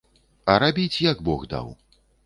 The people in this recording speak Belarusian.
А рабіць, як бог даў.